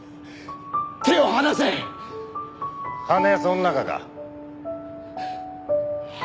金その中か？